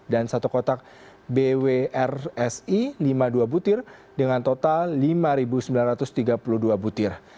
dan satu kotak bwrsi lima puluh dua butir dengan total lima sembilan ratus tiga puluh dua butir